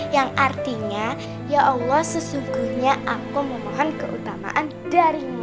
yang artinya ya allah sesungguhnya aku memohon keutamaan darimu